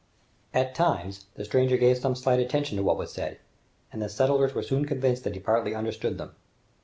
At times, the stranger gave some slight attention to what was said, and the settlers were soon convinced that he partly understood them.